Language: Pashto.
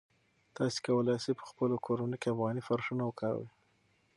تاسي کولای شئ په خپلو کورونو کې افغاني فرشونه وکاروئ.